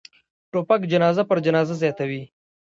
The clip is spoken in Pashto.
توپک جنازه پر جنازه زیاتوي.